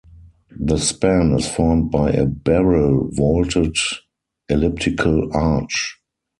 The span is formed by a barrel-vaulted elliptical arch.